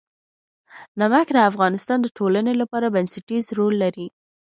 نمک د افغانستان د ټولنې لپاره بنسټيز رول لري.